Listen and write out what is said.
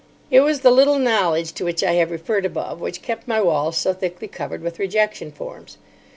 It was the little knowledge to which I have referred above which kept my walls so thickly covered with rejection forms.